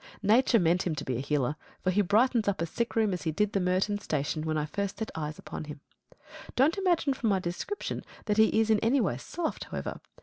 Nature meant him to be a healer; for he brightens up a sick room as he did the Merton station when first I set eyes upon him. Don't imagine from my description that he is in any way soft, however.